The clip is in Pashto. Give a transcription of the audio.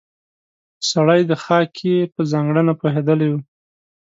سړی د خاکې په ځانګړنه پوهېدلی و.